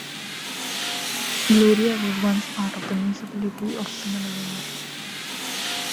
Gloria was once part of the municipality of Pinamalayan.